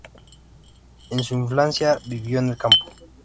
En su infancia vivió en el campo.